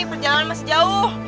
perjalanan masih jauh